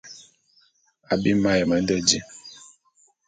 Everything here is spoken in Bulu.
Abim m'ayem nde di.